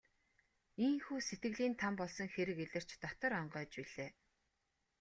Ийнхүү сэтгэлийн там болсон хэрэг илэрч дотор онгойж билээ.